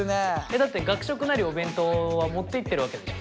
だって学食なりお弁当は持っていってるわけでしょ？